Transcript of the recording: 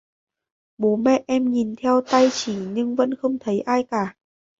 Bố mẹ em nhìn theo tay chỉ nhưng vẫn không thấy ai cả